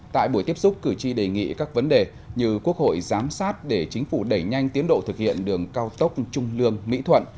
tại buổi tiếp xúc cử tri đề nghị các vấn đề như quốc hội giám sát để chính phủ đẩy nhanh tiến độ thực hiện đường cao tốc trung lương mỹ thuận